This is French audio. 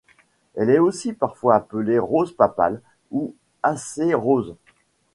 Elle est aussi parfois appelée Rose papale ou Alcée rose.